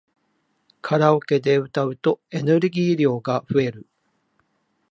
カラオケで歌うとエネルギー量が増える